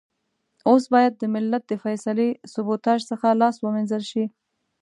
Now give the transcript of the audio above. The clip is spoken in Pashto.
اوس بايد د ملت د فيصلې سبوتاژ څخه لاس و مينځل شي.